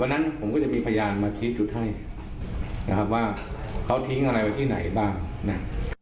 วันนั้นผมก็จะมีพยานมาทีชุดให้ว่าเขาทิ้งอะไรเขาที่ไหนบ้าง